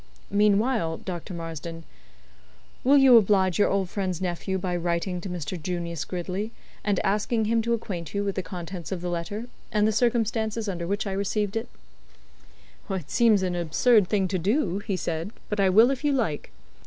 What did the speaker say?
"Meanwhile, Dr. Marsden, will you oblige your old friend's nephew by writing to Mr. Junius Gridley, and asking him to acquaint you with the contents of the letter, and the circumstances under which I received it?" "It seems an absurd thing to do," he said, "but I will if you like.